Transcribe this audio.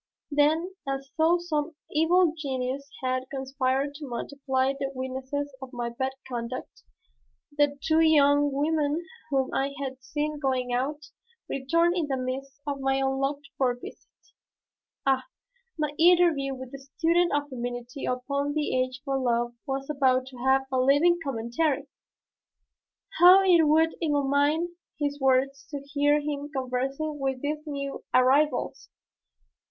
Then, as though some evil genius had conspired to multiply the witnesses of my bad conduct, the two young women whom I had seen going out, returned in the midst of my unlooked for visit. Ah, my interview with this student of femininity upon the Age for Love was about to have a living commentary! How it would illumine his words to hear him conversing with these new arrivals!